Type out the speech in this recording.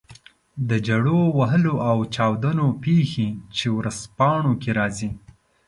د چړو وهلو او چاودنو پېښې چې ورځپاڼو کې راځي.